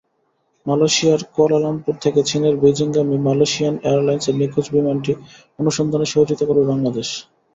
মালয়েশিয়ার কুয়ালালামপুর থেকে চীনের বেইজিংগামী মালয়েশিয়ান এয়ারলাইন্সের নিখোঁজ বিমানটি অনুসন্ধানে সহযোগিতা করবে বাংলাদেশ।